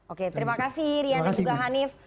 oke terima kasih rian dan juga hanif